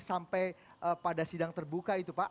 sampai pada sidang terbuka itu pak